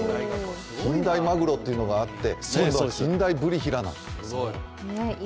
近大マグロというのがあって近大ブリヒラだ。